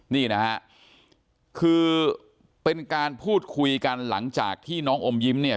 นี่นะฮะคือเป็นการพูดคุยกันหลังจากที่น้องอมยิ้มเนี่ย